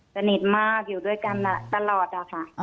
สนิทมากอยู่ด้วยกันตลอดอะค่ะ